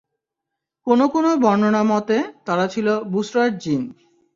কোন কোন বর্ণনা মতে, তারা ছিল বুসরার জিন।